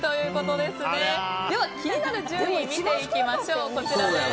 では気になる順位見ていきましょう。